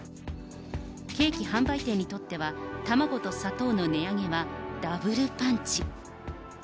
ケーキ販売店にとっては、卵と砂糖の値上げはダブルパンチ。